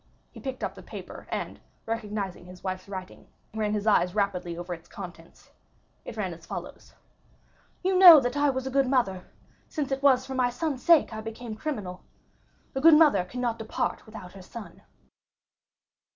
He picked up the paper, and, recognizing his wife's writing, ran his eyes rapidly over its contents; it ran as follows: "You know that I was a good mother, since it was for my son's sake I became criminal. A good mother cannot depart without her son."